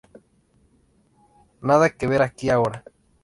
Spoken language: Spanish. Nada que ver aquí ahora.